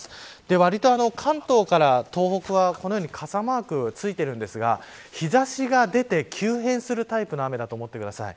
わりと関東から東北はこのように傘マーク付いてるんですが日差しが出て急変するタイプの雨だと思ってください。